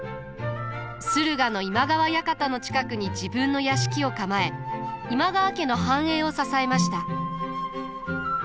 駿河の今川館の近くに自分の屋敷を構え今川家の繁栄を支えました。